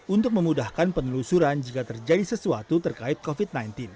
untuk memudahkan penelusuran jika terjadi sesuatu terkait covid sembilan belas